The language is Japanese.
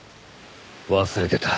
忘れてた。